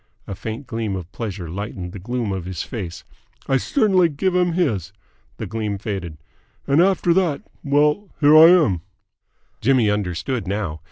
A faint gleam of pleasure lightened the gloom of his face. "I cert'nly give him his!" The gleam faded. "And after that well, here I am!" Jimmy understood now.